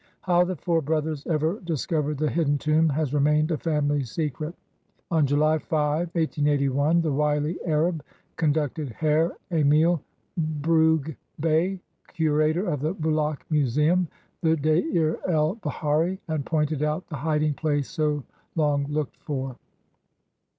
How the four brothers ever discovered the hidden tomb has remained a "family secret." On July 5, 1881, the wily Arab conducted Herr Emil Brugsch Bey, curator of the Bulaq Museum, to Deir el Bahari and pointed out the hiding place so long looked for.